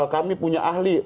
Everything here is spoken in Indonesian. kami punya ahli